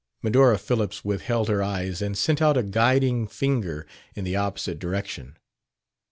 Medora Phillips withheld her eyes and sent out a guiding finger in the opposite direction.